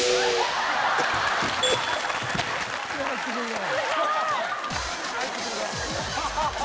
すごい！